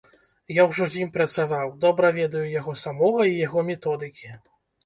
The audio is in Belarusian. Я ўжо з ім працаваў, добра ведаю яго самога і яго методыкі.